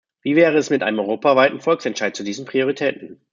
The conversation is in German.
Wie wäre es mit einem europaweiten Volksentscheid zu diesen Prioritäten?